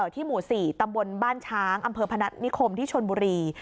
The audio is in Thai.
หมู่๔ตำบลบ้านช้างอำเภอพนัฐนิคมที่ชนบุรี